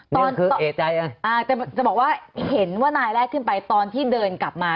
นี่ก็คือเอ่ยใจอ่าแต่จะบอกว่าเห็นว่านายแรกขึ้นไปตอนที่เดินกลับมา